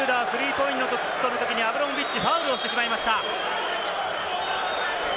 今、シュルーダー、スリーポイントを取るときにアブラモビッチ、ファウルをしてしまいました。